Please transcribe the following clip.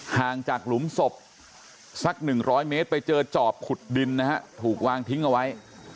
ห่างจากหลุมศพสัก๑๐๐เมตรไปเจอจอบขุดดินนะฮะถูกวางทิ้งเอาไว้